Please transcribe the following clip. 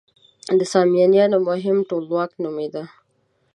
د سامانیانو مهم ټولواک نومېده.